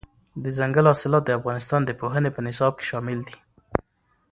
دځنګل حاصلات د افغانستان د پوهنې په نصاب کې شامل دي.